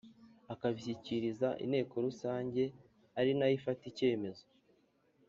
akabishyikiriza Inteko Rusange ari nayo ifata icyemezo